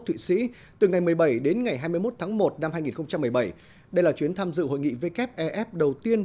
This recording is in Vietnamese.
thụy sĩ từ ngày một mươi bảy đến ngày hai mươi một tháng một năm hai nghìn một mươi bảy đây là chuyến tham dự hội nghị wef đầu tiên